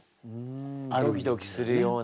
ドキドキするような。